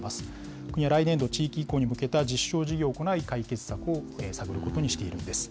国は来年度、地域移行に向けた実証事業を行い、解決策を探ることにしているんです。